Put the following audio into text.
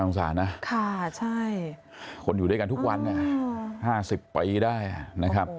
องศานะค่ะใช่คนอยู่ด้วยกันทุกวัน๕๐ปีได้นะครับ